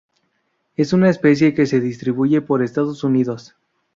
Es una especie que se distribuye por Estados Unidos.